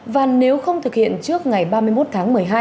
và nếu không thực hiện trước ngày ba mươi một tháng một mươi hai